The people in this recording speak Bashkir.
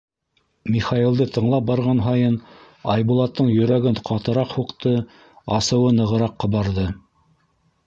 Михаилды тыңлап барған һайын, Айбулаттың йөрәге ҡатыраҡ һуҡты, асыуы нығыраҡ ҡабарҙы.